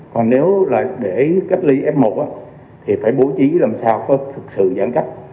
còn nếu là để cách ly f một thì phải bố trí làm sao có thực sự giãn cách